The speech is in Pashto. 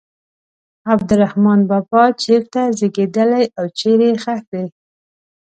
عبدالرحمان بابا چېرته زیږېدلی او چیرې ښخ دی.